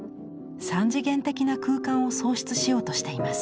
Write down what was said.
３次元的な空間を創出しようとしています。